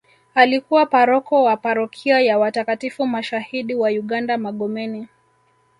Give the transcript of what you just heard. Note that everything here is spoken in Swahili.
Alikuwa paroko wa parokia ya watakatifu mashahidi wa uganda Magomeni